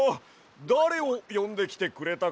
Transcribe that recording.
だれをよんできてくれたかや？